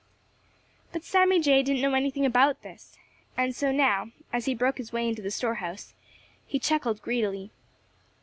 But Sammy Jay didn't know anything about this, and so now, as he broke his way into the store house, he chuckled greedily.